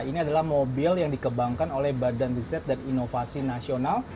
ini adalah mobil yang dikembangkan oleh badan riset dan inovasi nasional